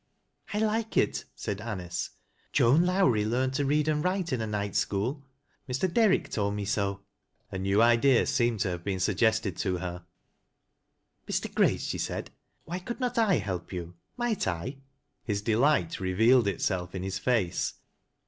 I like it," said Anice. " Joan Lowiie learned tc JOAN AND THE PIOTURE. 9? read and write in a night school. Mr. Derrick tohl me so." A new idea seemed to have been suggested to her. "Mr. Grace," she said, "why could not / help jou ! Might I?" His delight revealed itself in his face.